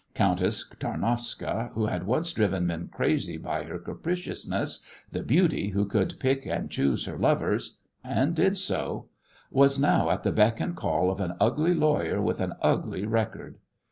Countess Tarnowska, who had once driven men crazy by her capriciousness, the beauty who could pick and choose her lovers and did so was now at the beck and call of an ugly lawyer with an ugly record!